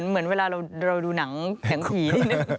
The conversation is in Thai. เหมือนเวลาเราดูหนังผี